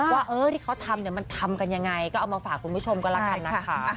ว่าที่เขาทำเนี่ยมันทำกันยังไงก็เอามาฝากคุณผู้ชมก็แล้วกันนะคะ